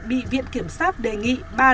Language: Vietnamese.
bị viện kiểm sát đề nghị